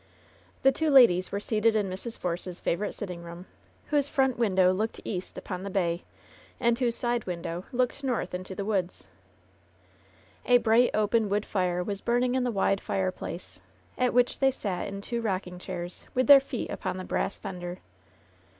The two ladies were seated in Mrs. Force's favorite sitting room, whose front window looked east upon the bay, and whose side window looked north into the woods. 68 LOVE'S BITTEREST CUP A bright, open wood fire was burning in the wide fire place, at which they sat in two rocking chairs with their feet upon the brass fender.